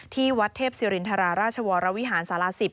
ที่วัดเทพศิรินทราชวรวิหารสาร๑๐